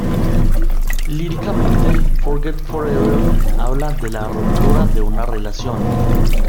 Líricamente, "Forget Forever" habla de la ruptura de una relación.